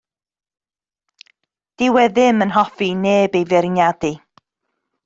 Dyw e ddim yn hoffi i neb ei feirniadu.